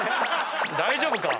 大丈夫か？